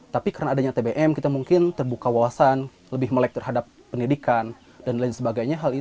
tapi karena adanya tbm kita mungkin terbuka wawasan lebih melek terhadap pendidikan dan lain sebagainya